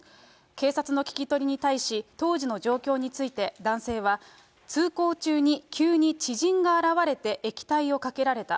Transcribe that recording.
警察の聞き取りに対し、当時の状況について男性は、通行中に急に知人が現れて液体をかけられた。